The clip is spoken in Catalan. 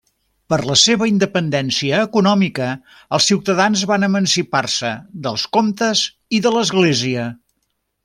Per la seva independència econòmica els ciutadans van emancipar-se dels comtes i de l'església.